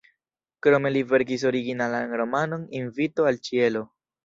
Krome li verkis originalan romanon "Invito al ĉielo".